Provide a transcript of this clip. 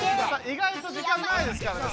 いがいと時間ないですからね